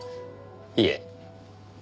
いえ。